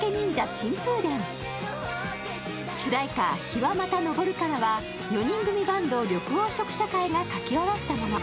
「陽はまた昇るから」は、４人組バンド、緑黄色社会が書き下ろしたもの。